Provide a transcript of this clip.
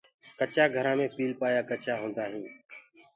ڪچآ گھرآ مي پيلپآيآ ڪچآ هوندآ هينٚ۔